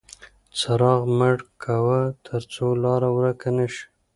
څراغ مه مړ کوه ترڅو لاره ورکه نه شي.